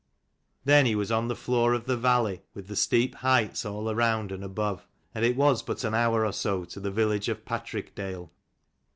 Then he was on the floor of the valley, with the steep heights all around and above : and it was but an hour or so to the village of Patrickdale.